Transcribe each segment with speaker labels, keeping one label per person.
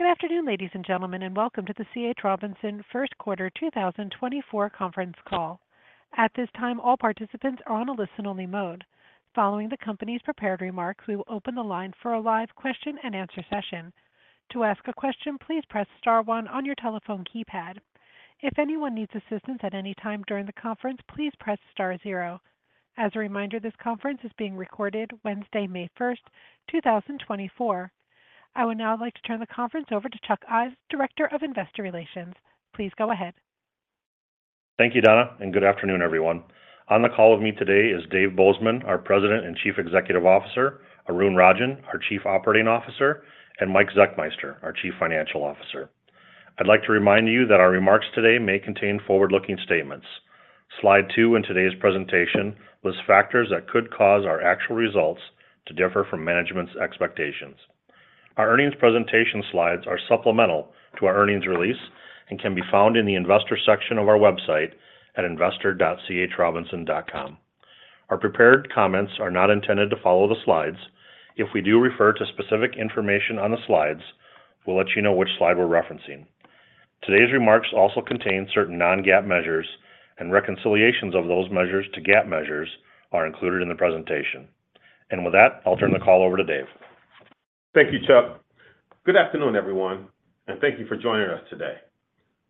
Speaker 1: Good afternoon, ladies and gentlemen, and welcome to the C.H. Robinson First Quarter 2024 Conference Call. At this time, all participants are on a listen-only mode. Following the company's prepared remarks, we will open the line for a live question-and-answer session. To ask a question, please press star one on your telephone keypad. If anyone needs assistance at any time during the conference, please press star zero. As a reminder, this conference is being recorded Wednesday, May 1st, 2024. I would now like to turn the conference over to Chuck Ives, Director of Investor Relations. Please go ahead.
Speaker 2: Thank you, Donna, and good afternoon, everyone. On the call with me today is Dave Bozeman, our President and Chief Executive Officer; Arun Rajan, our Chief Operating Officer; and Mike Zechmeister, our Chief Financial Officer. I'd like to remind you that our remarks today may contain forward-looking statements. Slide two in today's presentation lists factors that could cause our actual results to differ from management's expectations. Our earnings presentation slides are supplemental to our earnings release and can be found in the investor section of our website at investor.chrobinson.com. Our prepared comments are not intended to follow the slides. If we do refer to specific information on the slides, we'll let you know which slide we're referencing. Today's remarks also contain certain non-GAAP measures, and reconciliations of those measures to GAAP measures are included in the presentation. With that, I'll turn the call over to Dave.
Speaker 3: Thank you, Chuck. Good afternoon, everyone, and thank you for joining us today.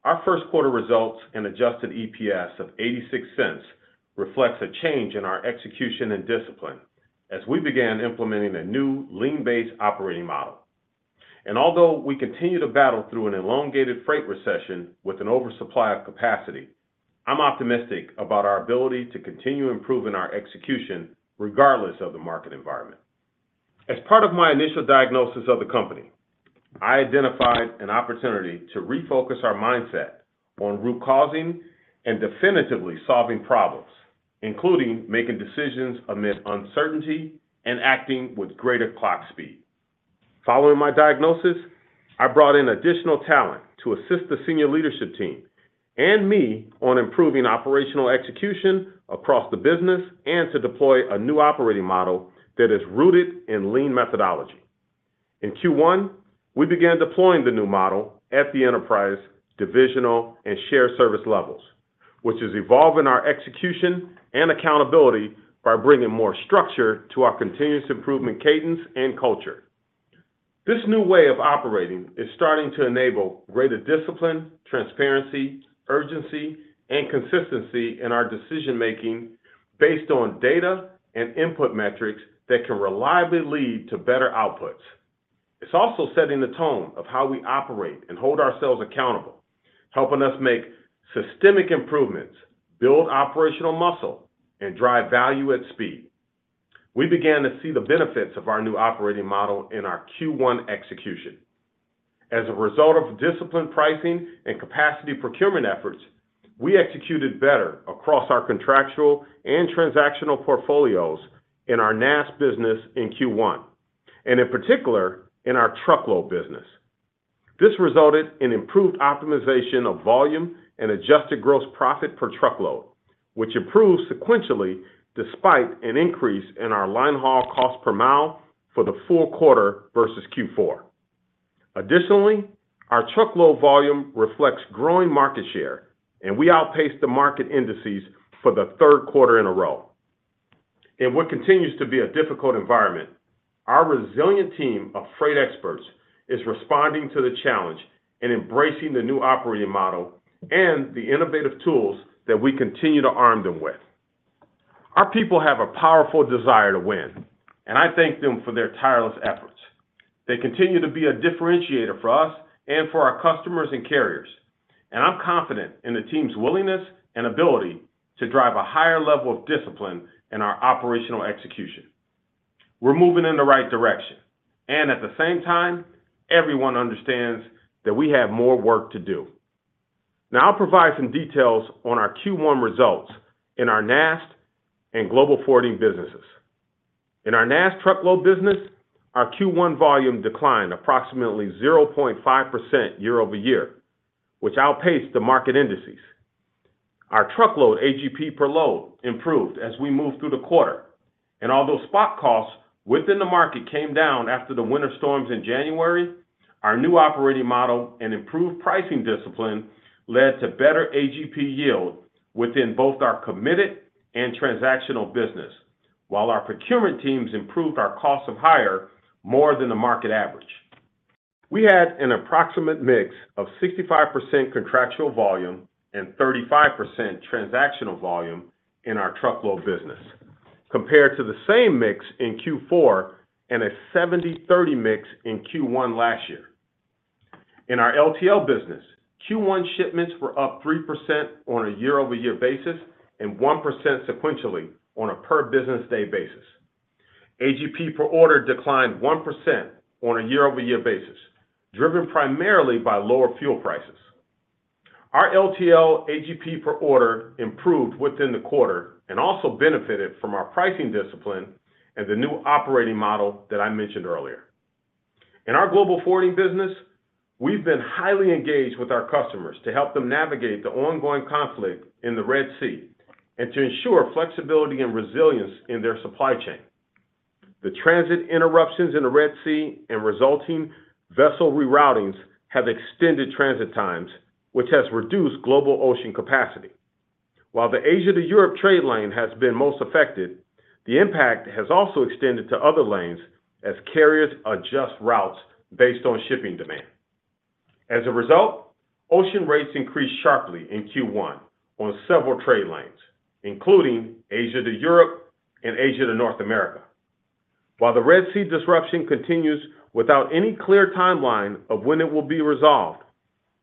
Speaker 3: Our first quarter results and adjusted EPS of $0.86 reflect a change in our execution and discipline as we began implementing a new lean-based operating model. And although we continue to battle through an elongated freight recession with an oversupply of capacity, I'm optimistic about our ability to continue improving our execution regardless of the market environment. As part of my initial diagnosis of the company, I identified an opportunity to refocus our mindset on root causing and definitively solving problems, including making decisions amid uncertainty and acting with greater clock speed. Following my diagnosis, I brought in additional talent to assist the senior leadership team and me on improving operational execution across the business and to deploy a new operating model that is rooted in lean methodology. In Q1, we began deploying the new model at the enterprise, divisional, and shared service levels, which is evolving our execution and accountability by bringing more structure to our continuous improvement cadence and culture. This new way of operating is starting to enable greater discipline, transparency, urgency, and consistency in our decision-making based on data and input metrics that can reliably lead to better outputs. It's also setting the tone of how we operate and hold ourselves accountable, helping us make systemic improvements, build operational muscle, and drive value at speed. We began to see the benefits of our new operating model in our Q1 execution. As a result of disciplined pricing and capacity procurement efforts, we executed better across our contractual and transactional portfolios in our NAST business in Q1, and in particular in our truckload business. This resulted in improved optimization of volume and adjusted gross profit per truckload, which improved sequentially despite an increase in our line haul cost per mile for the full quarter versus Q4. Additionally, our truckload volume reflects growing market share, and we outpaced the market indices for the third quarter in a row. In what continues to be a difficult environment, our resilient team of freight experts is responding to the challenge and embracing the new operating model and the innovative tools that we continue to arm them with. Our people have a powerful desire to win, and I thank them for their tireless efforts. They continue to be a differentiator for us and for our customers and carriers, and I'm confident in the team's willingness and ability to drive a higher level of discipline in our operational execution. We're moving in the right direction, and at the same time, everyone understands that we have more work to do. Now I'll provide some details on our Q1 results in our NAST and Global Forwarding businesses. In our NAST truckload business, our Q1 volume declined approximately 0.5% year-over-year, which outpaced the market indices. Our truckload AGP per load improved as we moved through the quarter, and although spot costs within the market came down after the winter storms in January, our new operating model and improved pricing discipline led to better AGP yield within both our committed and transactional business, while our procurement teams improved our cost of hire more than the market average. We had an approximate mix of 65% contractual volume and 35% transactional volume in our truckload business, compared to the same mix in Q4 and a 70/30 mix in Q1 last year. In our LTL business, Q1 shipments were up 3% on a year-over-year basis and 1% sequentially on a per-business-day basis. AGP per order declined 1% on a year-over-year basis, driven primarily by lower fuel prices. Our LTL AGP per order improved within the quarter and also benefited from our pricing discipline and the new operating model that I mentioned earlier. In our Global Forwarding business, we've been highly engaged with our customers to help them navigate the ongoing conflict in the Red Sea and to ensure flexibility and resilience in their supply chain. The transit interruptions in the Red Sea and resulting vessel reroutings have extended transit times, which has reduced global ocean capacity. While the Asia to Europe trade lane has been most affected, the impact has also extended to other lanes as carriers adjust routes based on shipping demand. As a result, ocean rates increased sharply in Q1 on several trade lanes, including Asia to Europe and Asia to North America. While the Red Sea disruption continues without any clear timeline of when it will be resolved,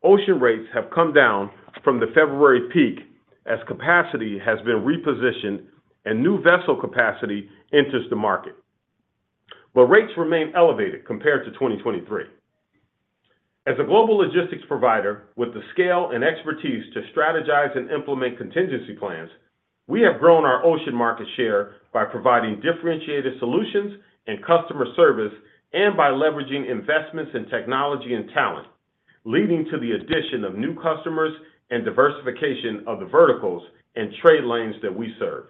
Speaker 3: ocean rates have come down from the February peak as capacity has been repositioned and new vessel capacity enters the market. But rates remain elevated compared to 2023. As a global logistics provider with the scale and expertise to strategize and implement contingency plans, we have grown our ocean market share by providing differentiated solutions and customer service and by leveraging investments in technology and talent, leading to the addition of new customers and diversification of the verticals and trade lanes that we serve.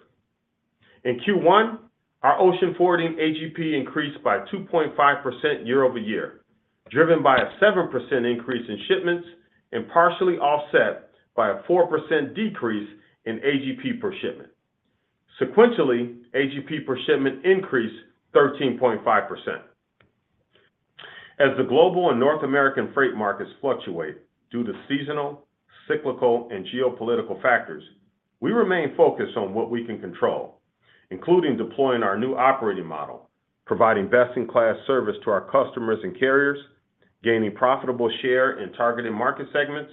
Speaker 3: In Q1, our ocean forwarding AGP increased by 2.5% year-over-year, driven by a 7% increase in shipments and partially offset by a 4% decrease in AGP per shipment. Sequentially, AGP per shipment increased 13.5%. As the global and North American freight markets fluctuate due to seasonal, cyclical, and geopolitical factors, we remain focused on what we can control, including deploying our new operating model, providing best-in-class service to our customers and carriers, gaining profitable share in targeted market segments,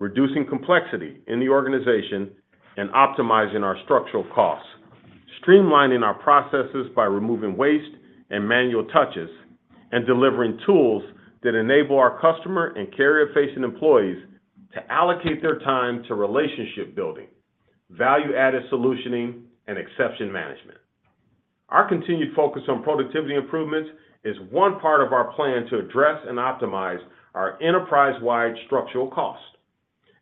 Speaker 3: reducing complexity in the organization, and optimizing our structural costs, streamlining our processes by removing waste and manual touches, and delivering tools that enable our customer and carrier-facing employees to allocate their time to relationship building, value-added solutioning, and exception management. Our continued focus on productivity improvements is one part of our plan to address and optimize our enterprise-wide structural cost.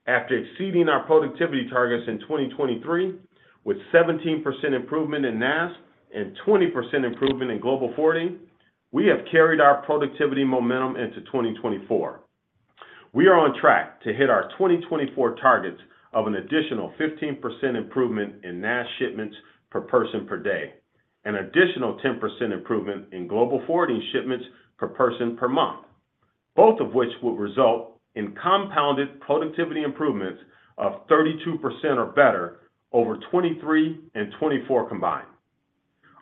Speaker 3: After exceeding our productivity targets in 2023 with 17% improvement in NAST and 20% improvement in Global Forwarding, we have carried our productivity momentum into 2024. We are on track to hit our 2024 targets of an additional 15% improvement in NAST shipments per person per day and an additional 10% improvement in Global Forwarding shipments per person per month, both of which would result in compounded productivity improvements of 32% or better over 2023 and 2024 combined.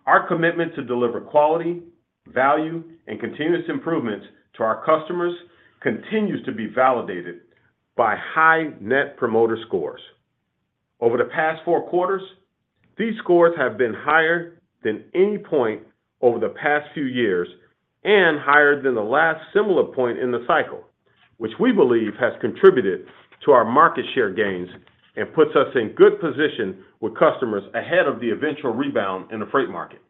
Speaker 3: Our commitment to deliver quality, value, and continuous improvements to our customers continues to be validated by high Net Promoter Scores. Over the past four quarters, these scores have been higher than any point over the past few years and higher than the last similar point in the cycle, which we believe has contributed to our market share gains and puts us in good position with customers ahead of the eventual rebound in the freight market.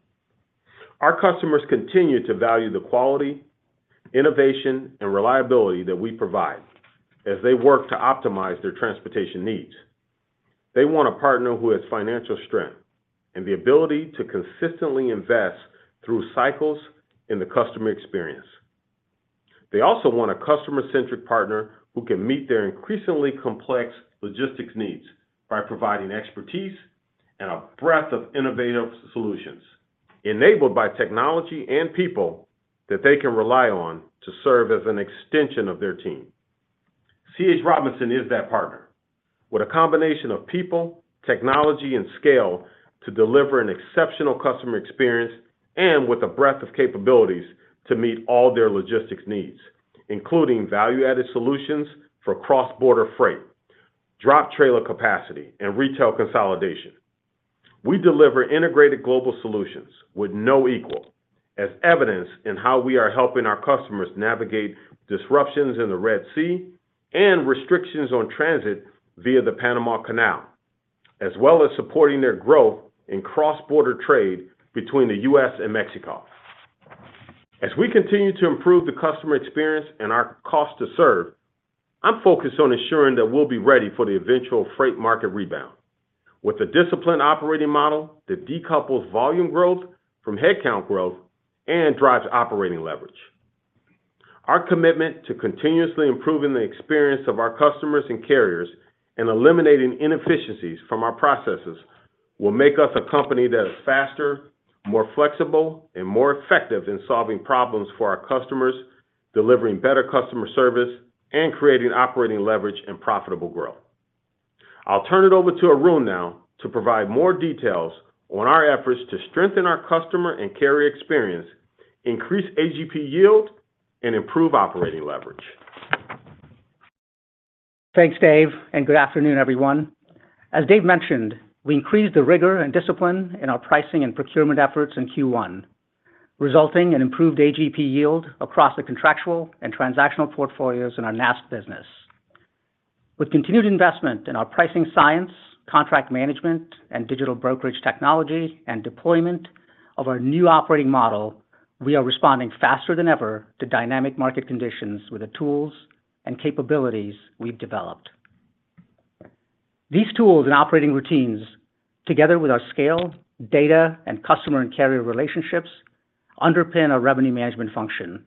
Speaker 3: Our customers continue to value the quality, innovation, and reliability that we provide as they work to optimize their transportation needs. They want a partner who has financial strength and the ability to consistently invest through cycles in the customer experience. They also want a customer-centric partner who can meet their increasingly complex logistics needs by providing expertise and a breadth of innovative solutions, enabled by technology and people that they can rely on to serve as an extension of their team. C.H. Robinson is that partner, with a combination of people, technology, and scale to deliver an exceptional customer experience and with a breadth of capabilities to meet all their logistics needs, including value-added solutions for cross-border freight, drop trailer capacity, and retail consolidation. We deliver integrated global solutions with no equal, as evidenced in how we are helping our customers navigate disruptions in the Red Sea and restrictions on transit via the Panama Canal, as well as supporting their growth in cross-border trade between the U.S. and Mexico. As we continue to improve the customer experience and our cost to serve, I'm focused on ensuring that we'll be ready for the eventual freight market rebound, with a disciplined operating model that decouples volume growth from headcount growth and drives operating leverage. Our commitment to continuously improving the experience of our customers and carriers and eliminating inefficiencies from our processes will make us a company that is faster, more flexible, and more effective in solving problems for our customers, delivering better customer service, and creating operating leverage and profitable growth. I'll turn it over to Arun now to provide more details on our efforts to strengthen our customer and carrier experience, increase AGP yield, and improve operating leverage.
Speaker 4: Thanks, Dave, and good afternoon, everyone. As Dave mentioned, we increased the rigor and discipline in our pricing and procurement efforts in Q1, resulting in improved AGP yield across the contractual and transactional portfolios in our NAST business. With continued investment in our pricing science, contract management, and digital brokerage technology, and deployment of our new operating model, we are responding faster than ever to dynamic market conditions with the tools and capabilities we've developed. These tools and operating routines, together with our scale, data, and customer and carrier relationships, underpin our revenue management function,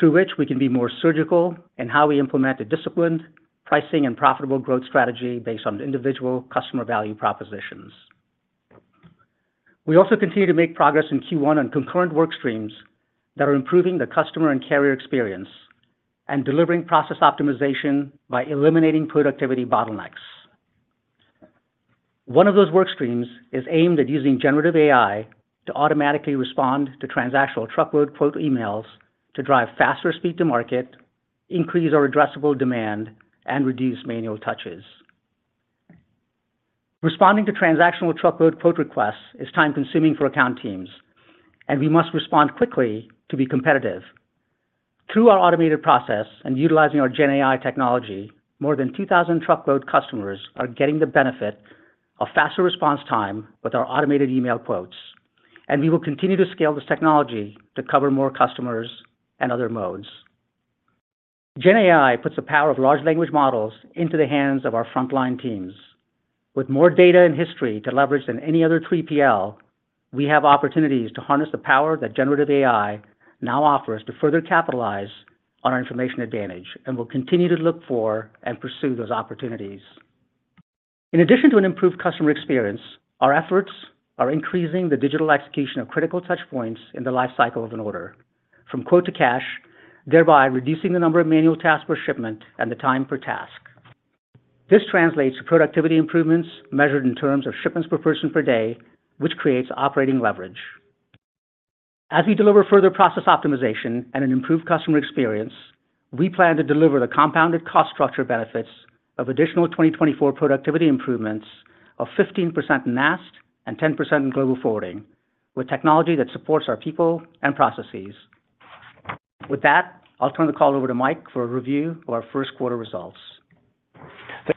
Speaker 4: through which we can be more surgical in how we implement a disciplined pricing and profitable growth strategy based on individual customer value propositions. We also continue to make progress in Q1 on concurrent workstreams that are improving the customer and carrier experience and delivering process optimization by eliminating productivity bottlenecks. One of those workstreams is aimed at using generative AI to automatically respond to transactional truckload quote emails to drive faster speed to market, increase our addressable demand, and reduce manual touches. Responding to transactional truckload quote requests is time-consuming for account teams, and we must respond quickly to be competitive. Through our automated process and utilizing our GenAI technology, more than 2,000 truckload customers are getting the benefit of faster response time with our automated email quotes, and we will continue to scale this technology to cover more customers and other modes. GenAI puts the power of large language models into the hands of our frontline teams. With more data and history to leverage than any other 3PL, we have opportunities to harness the power that generative AI now offers to further capitalize on our information advantage and will continue to look for and pursue those opportunities. In addition to an improved customer experience, our efforts are increasing the digital execution of critical touchpoints in the lifecycle of an order, from quote to cash, thereby reducing the number of manual tasks per shipment and the time per task. This translates to productivity improvements measured in terms of shipments per person per day, which creates operating leverage. As we deliver further process optimization and an improved customer experience, we plan to deliver the compounded cost structure benefits of additional 2024 productivity improvements of 15% in NAST and 10% in Global Forwarding, with technology that supports our people and processes. With that, I'll turn the call over to Mike for a review of our first quarter results.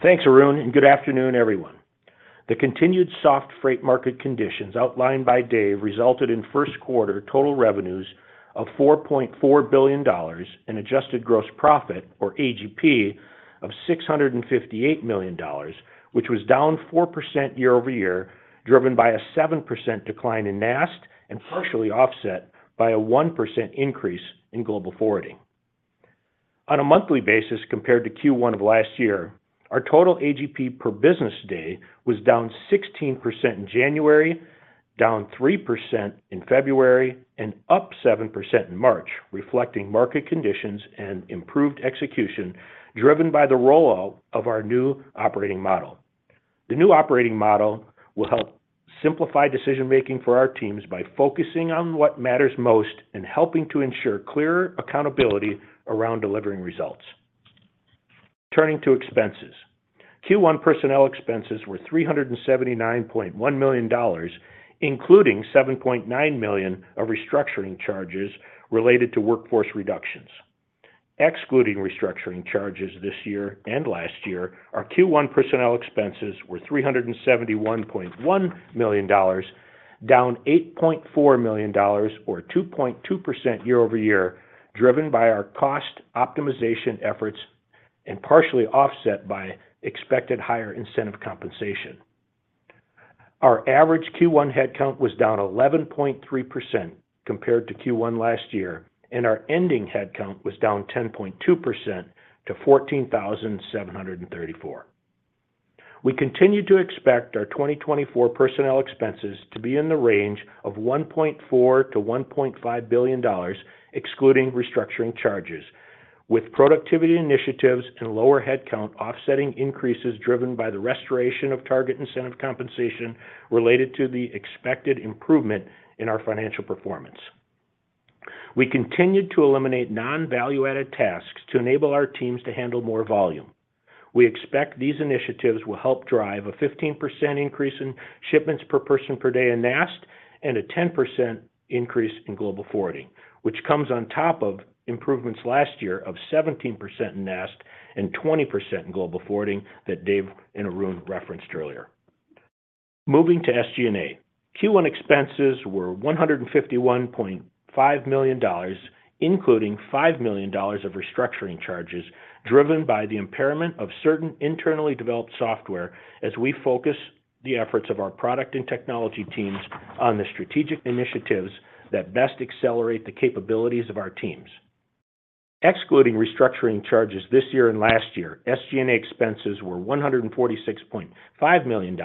Speaker 5: Thanks, Arun, and good afternoon, everyone. The continued soft freight market conditions outlined by Dave resulted in first quarter total revenues of $4.4 billion and adjusted gross profit, or AGP, of $658 million, which was down 4% year-over-year, driven by a 7% decline in NAST and partially offset by a 1% increase in Global Forwarding. On a monthly basis compared to Q1 of last year, our total AGP per business day was down 16% in January, down 3% in February, and up 7% in March, reflecting market conditions and improved execution driven by the rollout of our new operating model. The new operating model will help simplify decision-making for our teams by focusing on what matters most and helping to ensure clearer accountability around delivering results. Turning to expenses, Q1 personnel expenses were $379.1 million, including $7.9 million of restructuring charges related to workforce reductions. Excluding restructuring charges this year and last year, our Q1 personnel expenses were $371.1 million, down $8.4 million or 2.2% year-over-year, driven by our cost optimization efforts and partially offset by expected higher incentive compensation. Our average Q1 headcount was down 11.3% compared to Q1 last year, and our ending headcount was down 10.2% to 14,734. We continue to expect our 2024 personnel expenses to be in the range of $1.4-$1.5 billion, excluding restructuring charges, with productivity initiatives and lower headcount offsetting increases driven by the restoration of target incentive compensation related to the expected improvement in our financial performance. We continue to eliminate non-value-added tasks to enable our teams to handle more volume. We expect these initiatives will help drive a 15% increase in shipments per person per day in NAST and a 10% increase in Global Forwarding, which comes on top of improvements last year of 17% in NAST and 20% in Global Forwarding that Dave and Arun referenced earlier. Moving to SG&A, Q1 expenses were $151.5 million, including $5 million of restructuring charges driven by the impairment of certain internally developed software as we focus the efforts of our product and technology teams on the strategic initiatives that best accelerate the capabilities of our teams. Excluding restructuring charges this year and last year, SG&A expenses were $146.5 million,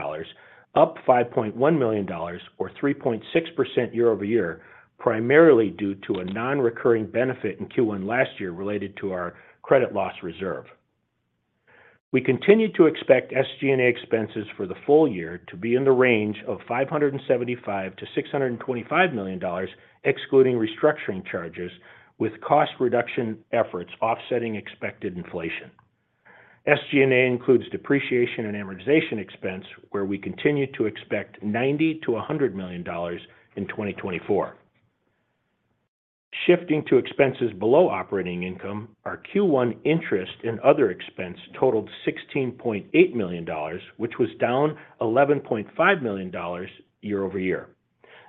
Speaker 5: up $5.1 million or 3.6% year-over-year, primarily due to a non-recurring benefit in Q1 last year related to our credit loss reserve. We continue to expect SG&A expenses for the full-year to be in the range of $575-$625 million, excluding restructuring charges, with cost reduction efforts offsetting expected inflation. SG&A includes depreciation and amortization expense, where we continue to expect $90-$100 million in 2024. Shifting to expenses below operating income, our Q1 interest and other expense totaled $16.8 million, which was down $11.5 million year-over-year.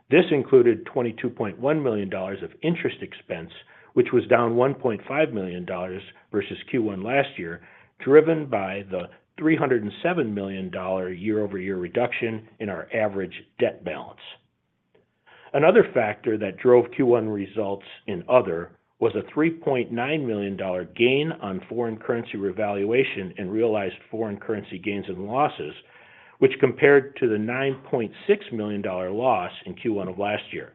Speaker 5: This included $22.1 million of interest expense, which was down $1.5 million versus Q1 last year, driven by the $307 million year-over-year reduction in our average debt balance. Another factor that drove Q1 results in other was a $3.9 million gain on foreign currency revaluation and realized foreign currency gains and losses, which compared to the $9.6 million loss in Q1 of last year.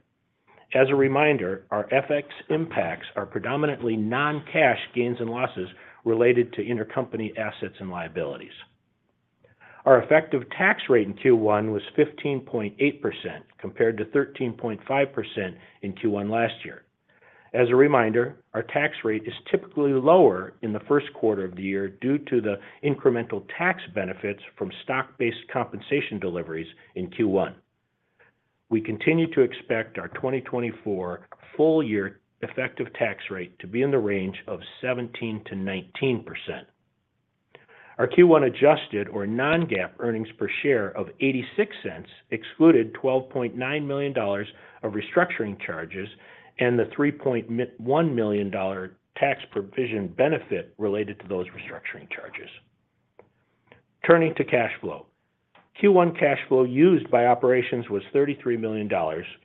Speaker 5: As a reminder, our FX impacts are predominantly non-cash gains and losses related to intercompany assets and liabilities. Our effective tax rate in Q1 was 15.8% compared to 13.5% in Q1 last year. As a reminder, our tax rate is typically lower in the first quarter of the year due to the incremental tax benefits from stock-based compensation deliveries in Q1. We continue to expect our 2024 full-year effective tax rate to be in the range of 17%-19%. Our Q1 adjusted or non-GAAP earnings per share of $0.86 excluded $12.9 million of restructuring charges and the $3.1 million tax provision benefit related to those restructuring charges. Turning to cash flow, Q1 cash flow used by operations was $33 million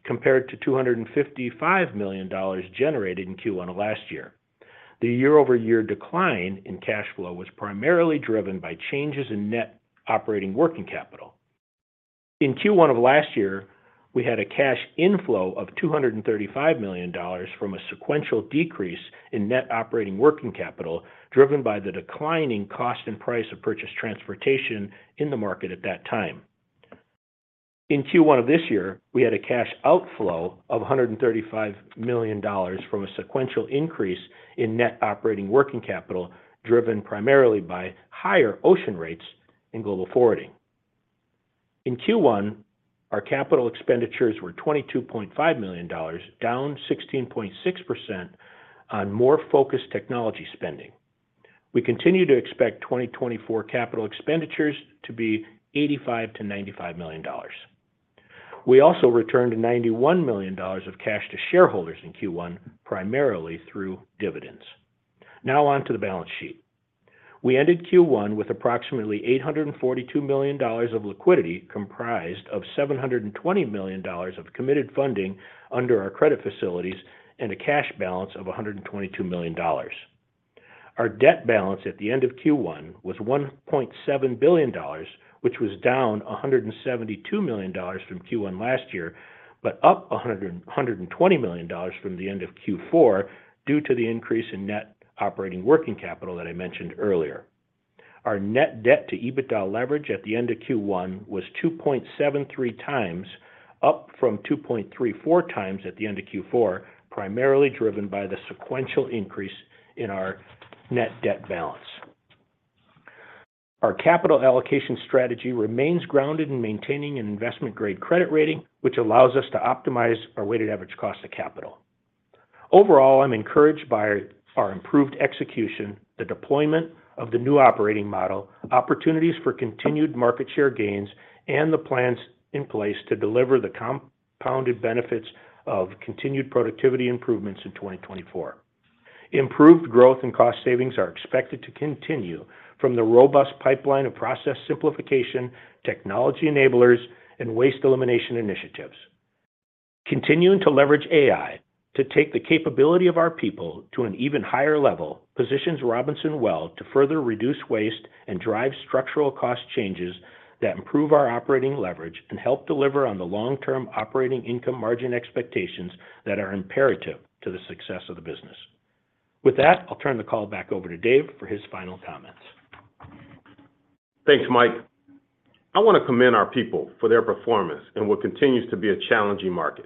Speaker 5: compared to $255 million generated in Q1 of last year. The year-over-year decline in cash flow was primarily driven by changes in net operating working capital. In Q1 of last year, we had a cash inflow of $235 million from a sequential decrease in net operating working capital driven by the declining cost and price of purchased transportation in the market at that time. In Q1 of this year, we had a cash outflow of $135 million from a sequential increase in net operating working capital driven primarily by higher ocean rates in Global Forwarding. In Q1, our capital expenditures were $22.5 million, down 16.6% on more focused technology spending. We continue to expect 2024 capital expenditures to be $85-$95 million. We also returned $91 million of cash to shareholders in Q1, primarily through dividends. Now onto the balance sheet. We ended Q1 with approximately $842 million of liquidity comprised of $720 million of committed funding under our credit facilities and a cash balance of $122 million. Our debt balance at the end of Q1 was $1.7 billion, which was down $172 million from Q1 last year but up $120 million from the end of Q4 due to the increase in net operating working capital that I mentioned earlier. Our net debt to EBITDA leverage at the end of Q1 was 2.73x up from 2.34x at the end of Q4, primarily driven by the sequential increase in our net debt balance. Our capital allocation strategy remains grounded in maintaining an investment-grade credit rating, which allows us to optimize our weighted average cost of capital. Overall, I'm encouraged by our improved execution, the deployment of the new operating model, opportunities for continued market share gains, and the plans in place to deliver the compounded benefits of continued productivity improvements in 2024. Improved growth and cost savings are expected to continue from the robust pipeline of process simplification, technology enablers, and waste elimination initiatives. Continuing to leverage AI to take the capability of our people to an even higher level positions Robinson well to further reduce waste and drive structural cost changes that improve our operating leverage and help deliver on the long-term operating income margin expectations that are imperative to the success of the business. With that, I'll turn the call back over to Dave for his final comments.
Speaker 3: Thanks, Mike. I want to commend our people for their performance in what continues to be a challenging market.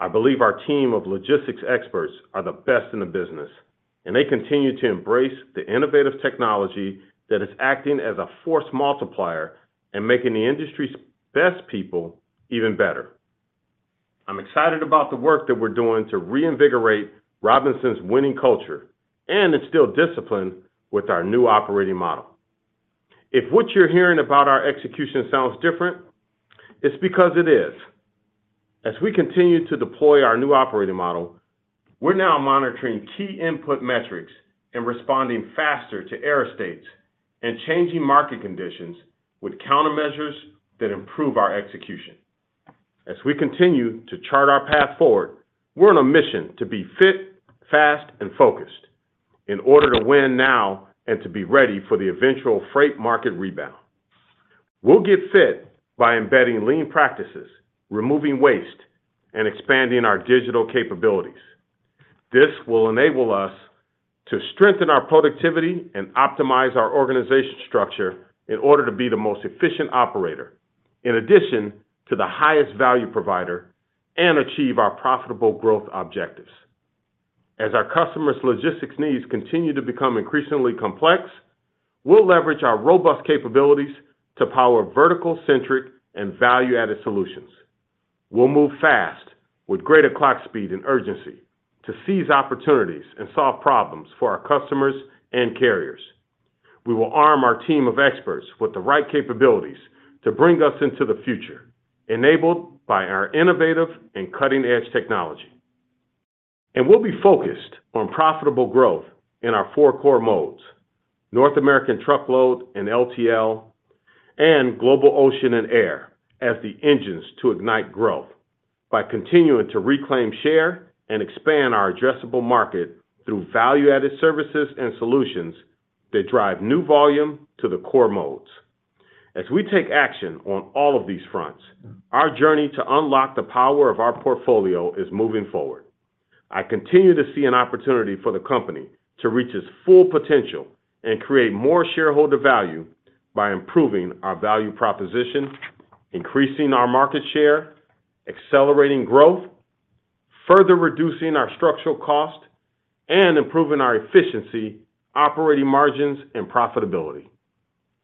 Speaker 3: I believe our team of logistics experts are the best in the business, and they continue to embrace the innovative technology that is acting as a force multiplier and making the industry's best people even better. I'm excited about the work that we're doing to reinvigorate Robinson's winning culture and instill discipline with our new operating model. If what you're hearing about our execution sounds different, it's because it is. As we continue to deploy our new operating model, we're now monitoring key input metrics and responding faster to error states and changing market conditions with countermeasures that improve our execution. As we continue to chart our path forward, we're on a mission to be fit, fast, and focused in order to win now and to be ready for the eventual freight market rebound. We'll get fit by embedding lean practices, removing waste, and expanding our digital capabilities. This will enable us to strengthen our productivity and optimize our organization structure in order to be the most efficient operator in addition to the highest value provider and achieve our profitable growth objectives. As our customers' logistics needs continue to become increasingly complex, we'll leverage our robust capabilities to power vertical-centric and value-added solutions. We'll move fast with greater clock speed and urgency to seize opportunities and solve problems for our customers and carriers. We will arm our team of experts with the right capabilities to bring us into the future, enabled by our innovative and cutting-edge technology. We'll be focused on profitable growth in our four core modes: North American Truckload and LTL, and Global Ocean and Air as the engines to ignite growth by continuing to reclaim share and expand our addressable market through value-added services and solutions that drive new volume to the core modes. As we take action on all of these fronts, our journey to unlock the power of our portfolio is moving forward. I continue to see an opportunity for the company to reach its full potential and create more shareholder value by improving our value proposition, increasing our market share, accelerating growth, further reducing our structural cost, and improving our efficiency, operating margins, and profitability.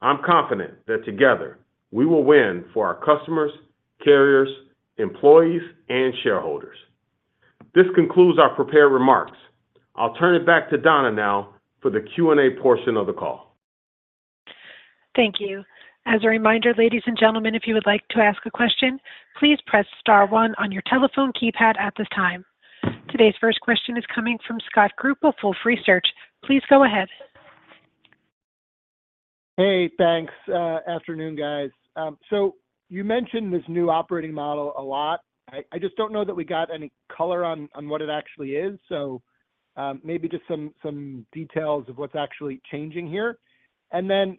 Speaker 3: I'm confident that together, we will win for our customers, carriers, employees, and shareholders. This concludes our prepared remarks. I'll turn it back to Donna now for the Q&A portion of the call.
Speaker 1: Thank you. As a reminder, ladies and gentlemen, if you would like to ask a question, please press star one on your telephone keypad at this time. Today's first question is coming from Scott Group of Wolfe Research. Please go ahead.
Speaker 6: Hey, thanks. Afternoon, guys. So you mentioned this new operating model a lot. I just don't know that we got any color on what it actually is, so maybe just some details of what's actually changing here. And then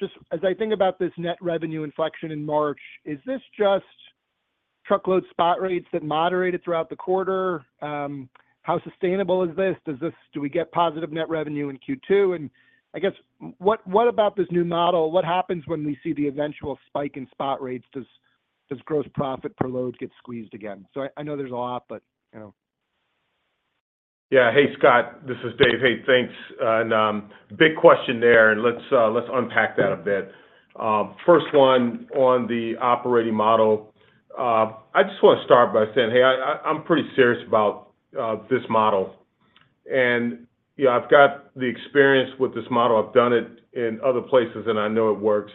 Speaker 6: just as I think about this net revenue inflection in March, is this just truckload spot rates that moderated throughout the quarter? How sustainable is this? Do we get positive net revenue in Q2? And I guess, what about this new model? What happens when we see the eventual spike in spot rates? Does gross profit per load get squeezed again? So I know there's a lot, but.
Speaker 3: Yeah. Hey, Scott. This is Dave. Hey, thanks. Big question there, and let's unpack that a bit. First one on the operating model, I just want to start by saying, hey, I'm pretty serious about this model. I've got the experience with this model. I've done it in other places, and I know it works.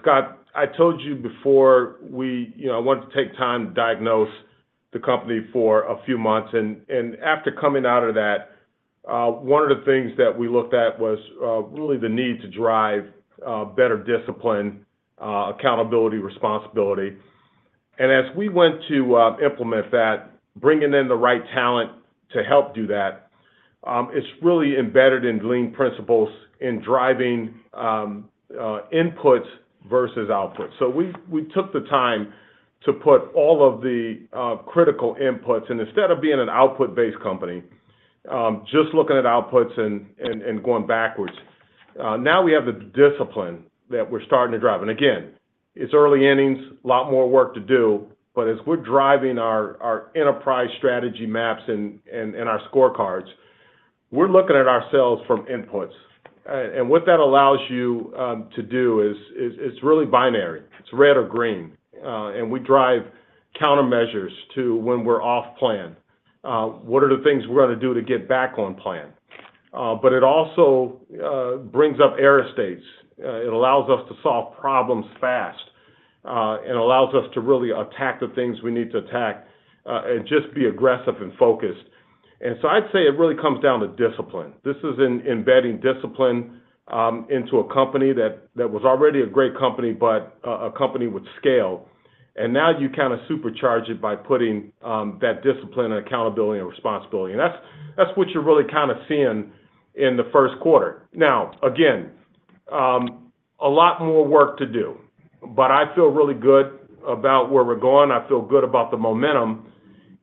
Speaker 3: Scott, I told you before I wanted to take time to diagnose the company for a few months. After coming out of that, one of the things that we looked at was really the need to drive better discipline, accountability, responsibility. As we went to implement that, bringing in the right talent to help do that, it's really embedded in lean principles in driving inputs versus outputs. So we took the time to put all of the critical inputs, and instead of being an output-based company, just looking at outputs and going backwards, now we have the discipline that we're starting to drive. Again, it's early innings, a lot more work to do. But as we're driving our enterprise strategy maps and our scorecards, we're looking at ourselves from inputs. And what that allows you to do is it's really binary. It's red or green. And we drive countermeasures to when we're off plan. What are the things we're going to do to get back on plan? But it also brings up error states. It allows us to solve problems fast. It allows us to really attack the things we need to attack and just be aggressive and focused. And so I'd say it really comes down to discipline. This is embedding discipline into a company that was already a great company, but a company with scale. And now you kind of supercharge it by putting that discipline and accountability and responsibility. And that's what you're really kind of seeing in the first quarter. Now, again, a lot more work to do. But I feel really good about where we're going. I feel good about the momentum.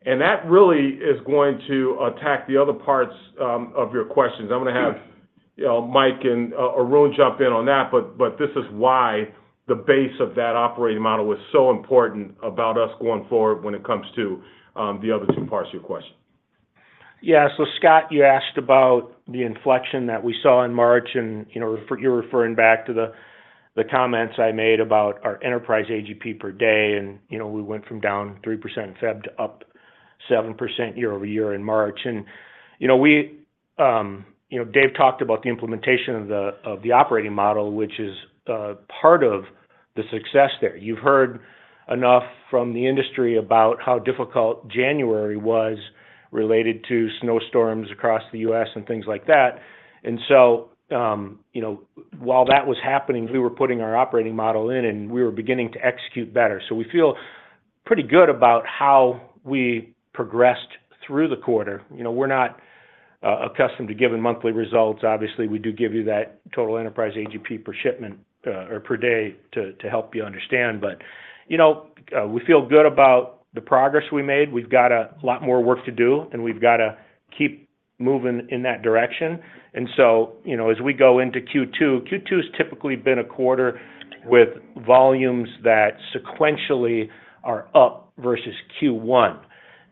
Speaker 3: And that really is going to attack the other parts of your questions. I'm going to have Mike and Arun jump in on that, but this is why the base of that operating model was so important about us going forward when it comes to the other two parts of your question.
Speaker 5: Yeah. So Scott, you asked about the inflection that we saw in March, and you're referring back to the comments I made about our enterprise AGP per day. We went from down 3% in February to up 7% year-over-year in March. Dave talked about the implementation of the operating model, which is part of the success there. You've heard enough from the industry about how difficult January was related to snowstorms across the U.S. and things like that. So while that was happening, we were putting our operating model in, and we were beginning to execute better. We feel pretty good about how we progressed through the quarter. We're not accustomed to giving monthly results. Obviously, we do give you that total enterprise AGP per shipment or per day to help you understand. But we feel good about the progress we made. We've got a lot more work to do, and we've got to keep moving in that direction. And so as we go into Q2, Q2 has typically been a quarter with volumes that sequentially are up versus Q1.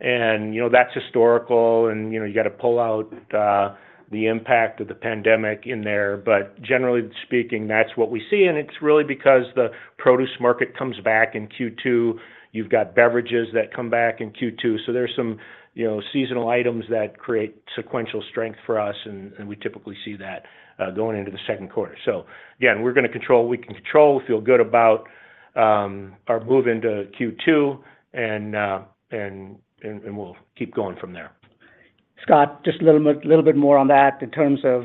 Speaker 5: And that's historical, and you got to pull out the impact of the pandemic in there. But generally speaking, that's what we see. And it's really because the produce market comes back in Q2. You've got beverages that come back in Q2. So there's some seasonal items that create sequential strength for us, and we typically see that going into the second quarter. So again, we're going to control what we can control. We feel good about our move into Q2, and we'll keep going from there.
Speaker 4: Scott, just a little bit more on that in terms of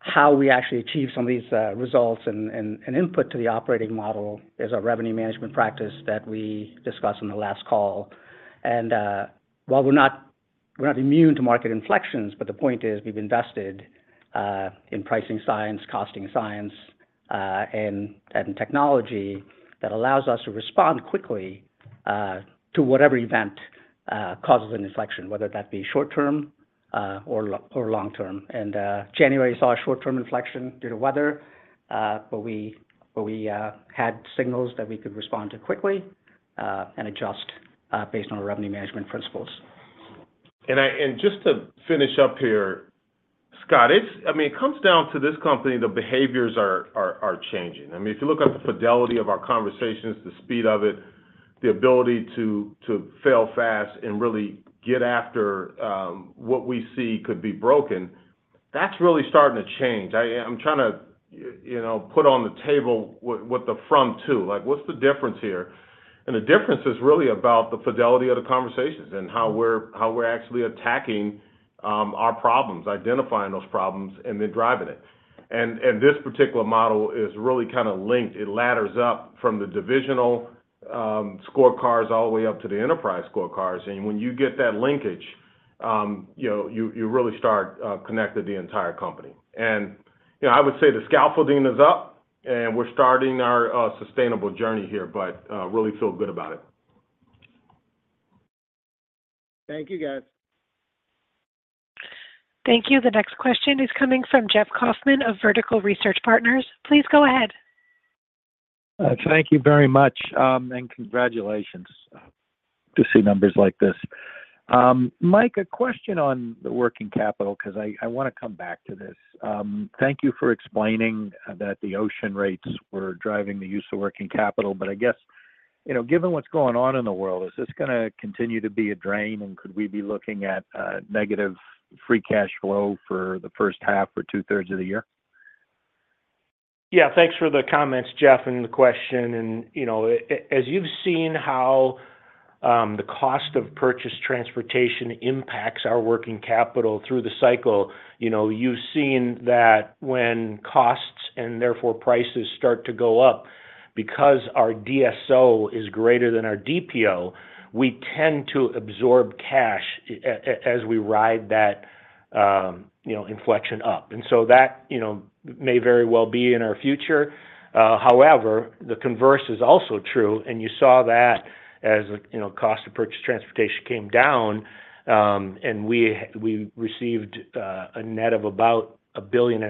Speaker 4: how we actually achieve some of these results and input to the operating model is our revenue management practice that we discussed on the last call. While we're not immune to market inflections, but the point is we've invested in pricing science, costing science, and technology that allows us to respond quickly to whatever event causes an inflection, whether that be short-term or long-term. January saw a short-term inflection due to weather, but we had signals that we could respond to quickly and adjust based on our revenue management principles.
Speaker 3: And just to finish up here, Scott, I mean, it comes down to this company. The behaviors are changing. I mean, if you look at the fidelity of our conversations, the speed of it, the ability to fail fast and really get after what we see could be broken, that's really starting to change. I'm trying to put on the table what the front too. What's the difference here? And the difference is really about the fidelity of the conversations and how we're actually attacking our problems, identifying those problems, and then driving it. And this particular model is really kind of linked. It ladders up from the divisional scorecards all the way up to the enterprise scorecards. And when you get that linkage, you really start connected to the entire company. I would say the scaffolding is up, and we're starting our sustainable journey here, but really feel good about it.
Speaker 6: Thank you, guys.
Speaker 1: Thank you. The next question is coming from Jeff Kauffman of Vertical Research Partners. Please go ahead.
Speaker 7: Thank you very much, and congratulations to see numbers like this. Mike, a question on the working capital because I want to come back to this. Thank you for explaining that the ocean rates were driving the use of working capital. But I guess, given what's going on in the world, is this going to continue to be a drain? And could we be looking at negative free cash flow for the first half or two-thirds of the year?
Speaker 5: Yeah. Thanks for the comments, Jeff, and the question. As you've seen how the cost of purchased transportation impacts our working capital through the cycle, you've seen that when costs and therefore prices start to go up because our DSO is greater than our DPO, we tend to absorb cash as we ride that inflection up. So that may very well be in our future. However, the converse is also true. You saw that as the cost of purchased transportation came down, and we received a net of about $1.5 billion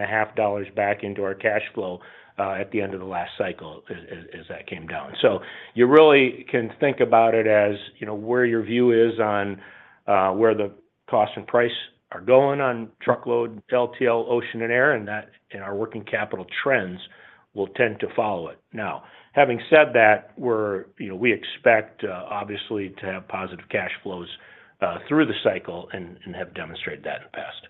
Speaker 5: back into our cash flow at the end of the last cycle as that came down. You really can think about it as where your view is on where the cost and price are going on truckload, LTL, ocean, and air, and our working capital trends will tend to follow it. Now, having said that, we expect, obviously, to have positive cash flows through the cycle and have demonstrated that in the past.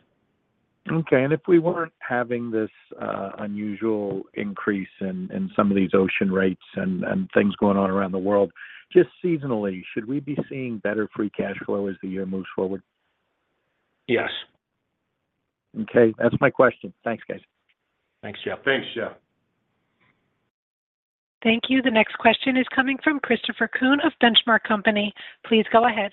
Speaker 7: Okay. If we weren't having this unusual increase in some of these ocean rates and things going on around the world, just seasonally, should we be seeing better free cash flow as the year moves forward?
Speaker 3: Yes.
Speaker 7: Okay. That's my question. Thanks, guys.
Speaker 4: Thanks, Jeff.
Speaker 3: Thanks, Jeff.
Speaker 1: Thank you. The next question is coming from Christopher Kuhn of Benchmark Company. Please go ahead.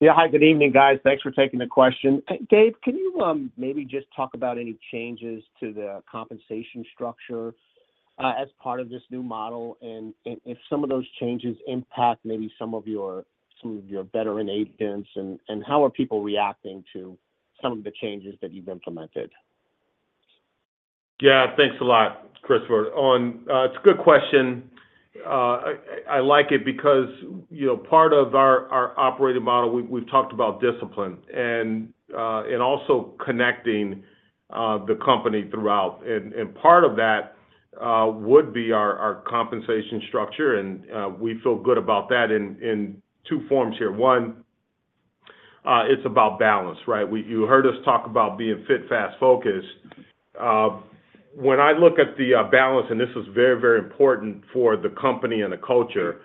Speaker 8: Yeah. Hi. Good evening, guys. Thanks for taking the question. Dave, can you maybe just talk about any changes to the compensation structure as part of this new model and if some of those changes impact maybe some of your veteran agents and how are people reacting to some of the changes that you've implemented?
Speaker 3: Yeah. Thanks a lot, Christopher. It's a good question. I like it because part of our operating model, we've talked about discipline and also connecting the company throughout. Part of that would be our compensation structure, and we feel good about that in two forms here. One, it's about balance, right? You heard us talk about being fit, fast, focused. When I look at the balance, and this is very, very important for the company and the culture,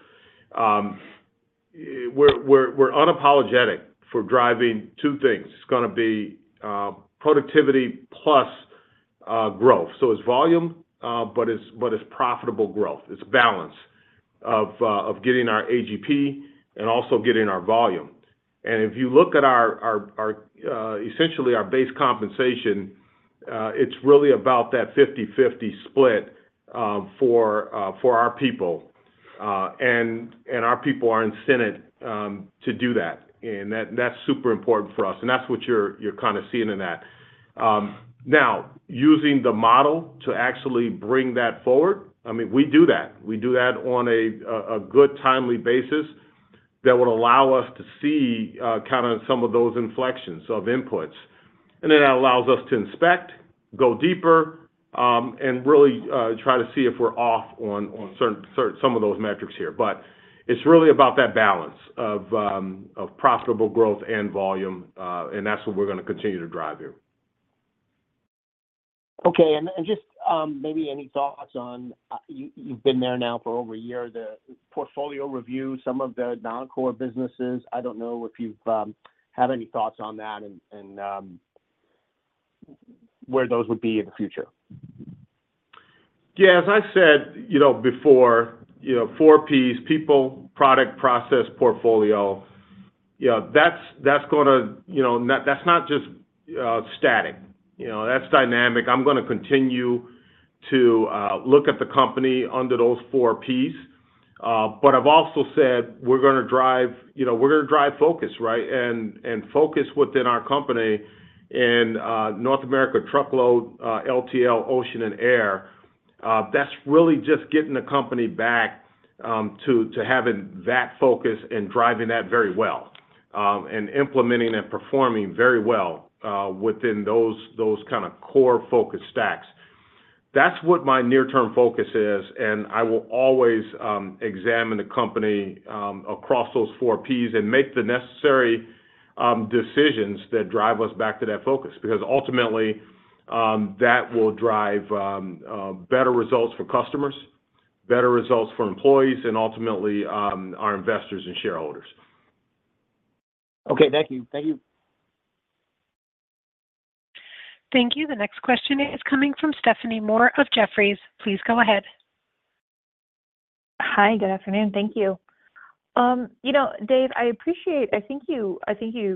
Speaker 3: we're unapologetic for driving two things. It's going to be productivity plus growth. So it's volume, but it's profitable growth. It's balance of getting our AGP and also getting our volume. If you look at essentially our base compensation, it's really about that 50/50 split for our people. Our people are incented to do that. That's super important for us. And that's what you're kind of seeing in that. Now, using the model to actually bring that forward, I mean, we do that. We do that on a good, timely basis that would allow us to see kind of some of those inflections of inputs. And then that allows us to inspect, go deeper, and really try to see if we're off on some of those metrics here. But it's really about that balance of profitable growth and volume. And that's what we're going to continue to drive here.
Speaker 8: Okay. And just maybe any thoughts on you've been there now for over a year, the portfolio review, some of the non-core businesses? I don't know if you've had any thoughts on that and where those would be in the future.
Speaker 3: Yeah. As I said before, four Ps: people, product, process, portfolio. That's going to not just static. That's dynamic. I'm going to continue to look at the company under those four Ps. But I've also said we're going to drive focus, right? And focus within our company in North America truckload, LTL, ocean, and air, that's really just getting the company back to having that focus and driving that very well and implementing and performing very well within those kind of core focus stacks. That's what my near-term focus is. And I will always examine the company across those four Ps and make the necessary decisions that drive us back to that focus because ultimately, that will drive better results for customers, better results for employees, and ultimately, our investors and shareholders.
Speaker 8: Okay. Thank you. Thank you.
Speaker 1: Thank you. The next question is coming from Stephanie Moore of Jefferies. Please go ahead.
Speaker 9: Hi. Good afternoon. Thank you. Dave, I appreciate. I think you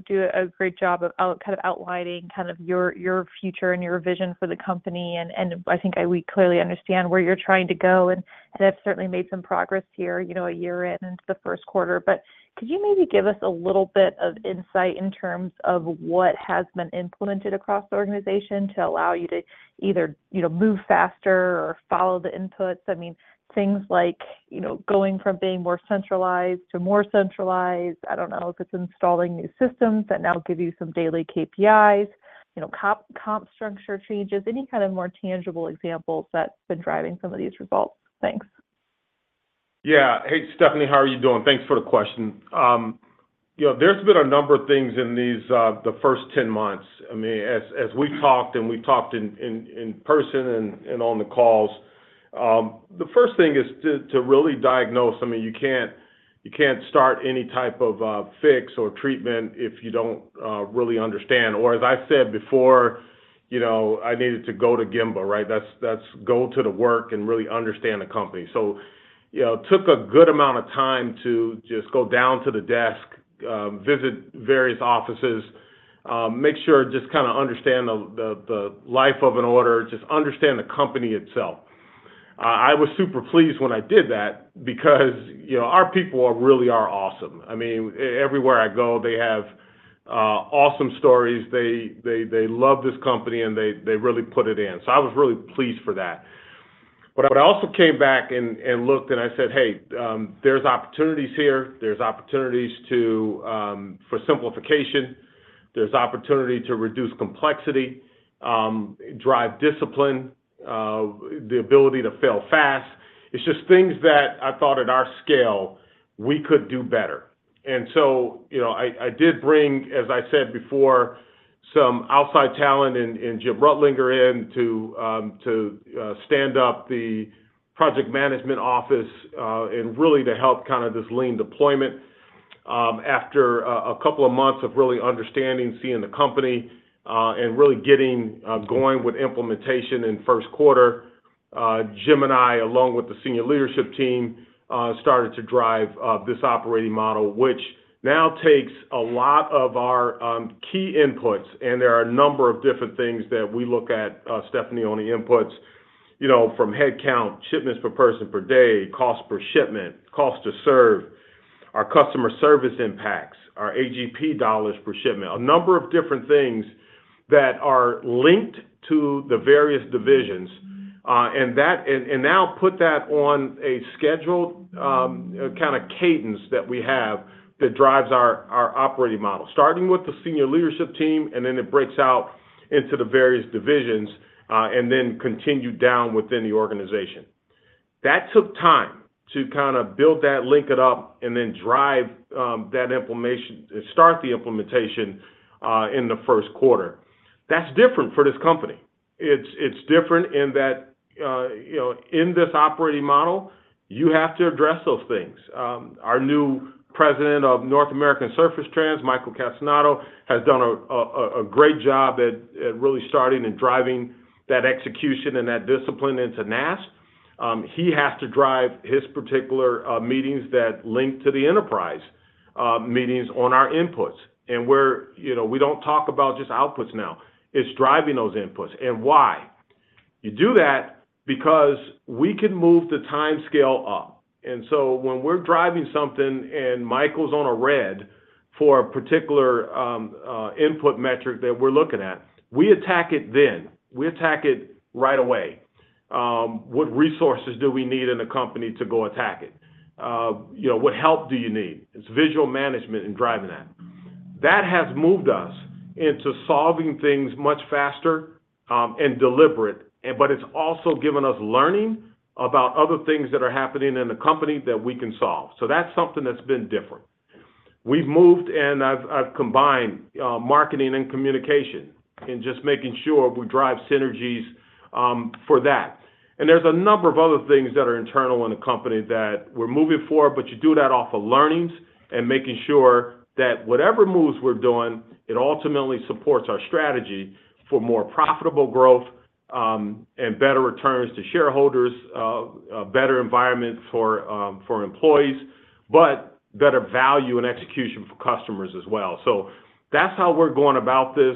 Speaker 9: do a great job of kind of outlining kind of your future and your vision for the company. And I think we clearly understand where you're trying to go. And that's certainly made some progress here a year into the first quarter. But could you maybe give us a little bit of insight in terms of what has been implemented across the organization to allow you to either move faster or follow the inputs? I mean, things like going from being more centralized to more centralized. I don't know if it's installing new systems that now give you some daily KPIs, comp structure changes, any kind of more tangible examples that's been driving some of these results. Thanks.
Speaker 3: Yeah. Hey, Stephanie, how are you doing? Thanks for the question. There's been a number of things in the first 10 months. I mean, as we've talked, and we've talked in person and on the calls, the first thing is to really diagnose. I mean, you can't start any type of fix or treatment if you don't really understand. Or as I said before, I needed to go to Gemba, right? That's go to the work and really understand the company. So it took a good amount of time to just go down to the desk, visit various offices, make sure just kind of understand the life of an order, just understand the company itself. I was super pleased when I did that because our people really are awesome. I mean, everywhere I go, they have awesome stories. They love this company, and they really put it in. So I was really pleased for that. But I also came back and looked, and I said, "Hey, there's opportunities here. There's opportunities for simplification. There's opportunity to reduce complexity, drive discipline, the ability to fail fast." It's just things that I thought at our scale, we could do better. And so I did bring, as I said before, some outside talent and Jim Reutlinger in to stand up the project management office and really to help kind of this Lean deployment. After a couple of months of really understanding, seeing the company, and really getting going with implementation in first quarter, Jim and I, along with the senior leadership team, started to drive this operating model, which now takes a lot of our key inputs. There are a number of different things that we look at, Stephanie, on the inputs from headcount, shipments per person per day, cost per shipment, cost to serve, our customer service impacts, our AGP dollars per shipment, a number of different things that are linked to the various divisions. Now put that on a scheduled kind of cadence that we have that drives our operating model, starting with the senior leadership team, and then it breaks out into the various divisions and then continued down within the organization. That took time to kind of build that, link it up, and then drive that information and start the implementation in the first quarter. That's different for this company. It's different in that in this operating model, you have to address those things. Our new President of North American Surface Transportation, Michael Castagnetto, has done a great job at really starting and driving that execution and that discipline into NAST. He has to drive his particular meetings that link to the enterprise meetings on our inputs. We don't talk about just outputs now. It's driving those inputs. And why? You do that because we can move the timescale up. And so when we're driving something and Michael's on a red for a particular input metric that we're looking at, we attack it then. We attack it right away. What resources do we need in the company to go attack it? What help do you need? It's visual management and driving that. That has moved us into solving things much faster and deliberate, but it's also given us learning about other things that are happening in the company that we can solve. So that's something that's been different. We've moved, and I've combined marketing and communication and just making sure we drive synergies for that. And there's a number of other things that are internal in the company that we're moving forward, but you do that off of learnings and making sure that whatever moves we're doing, it ultimately supports our strategy for more profitable growth and better returns to shareholders, better environment for employees, but better value and execution for customers as well. So that's how we're going about this,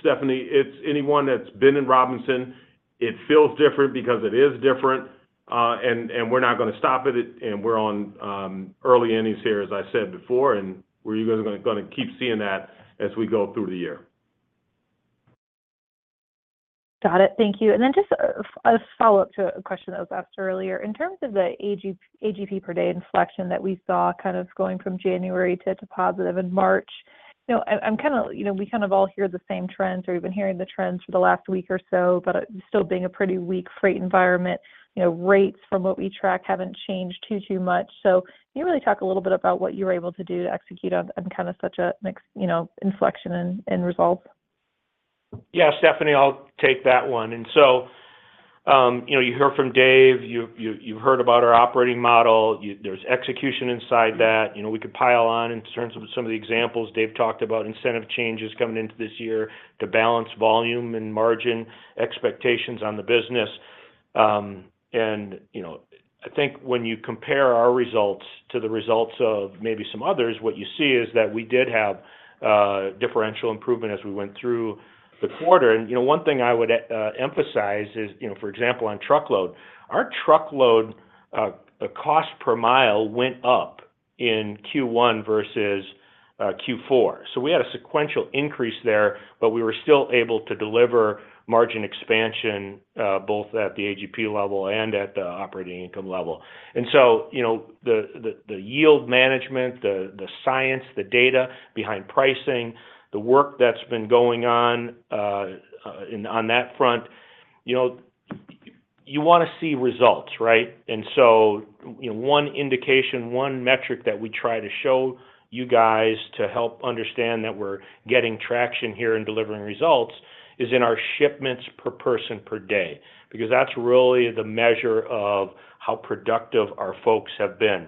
Speaker 3: Stephanie. It's anyone that's been in Robinson. It feels different because it is different. And we're not going to stop it. And we're on early innings here, as I said before. And we're going to keep seeing that as we go through the year.
Speaker 9: Got it. Thank you. And then just a follow-up to a question that was asked earlier. In terms of the AGP per day inflection that we saw kind of going from January to positive in March, we kind of all hear the same trends or even hearing the trends for the last week or so, but still being a pretty weak freight environment. Rates from what we track haven't changed too much. So can you really talk a little bit about what you were able to do to execute on kind of such a mixed inflection and results?
Speaker 3: Yeah, Stephanie, I'll take that one. And so you heard from Dave. You've heard about our operating model. There's execution inside that. We could pile on in terms of some of the examples Dave talked about, incentive changes coming into this year to balance volume and margin expectations on the business. And I think when you compare our results to the results of maybe some others, what you see is that we did have differential improvement as we went through the quarter. And one thing I would emphasize is, for example, on truckload, our truckload cost per mile went up in Q1 versus Q4. So we had a sequential increase there, but we were still able to deliver margin expansion both at the AGP level and at the operating income level. And so the yield management, the science, the data behind pricing, the work that's been going on on that front, you want to see results, right? And so one indication, one metric that we try to show you guys to help understand that we're getting traction here and delivering results is in our shipments per person per day because that's really the measure of how productive our folks have been.